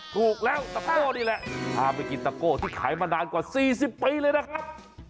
ถูกแล้วตะโก้นี่แหละพาไปกินตะโก้ที่ขายมานานกว่า๔๐ปีเลยนะครับ